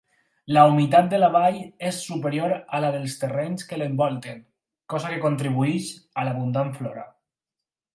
La humitat de la vall és superior a la dels terrenys que l'envolten, cosa que contribueix a l'abundant flora.